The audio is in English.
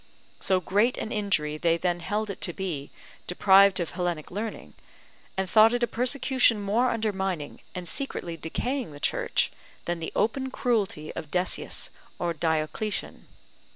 So great an injury they then held it to be deprived of Hellenic learning; and thought it a persecution more undermining, and secretly decaying the Church, than the open cruelty of Decius or Diocletian.